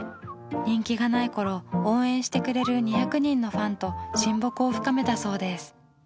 人気がない頃応援してくれる２００人のファンと親睦を深めたそうです。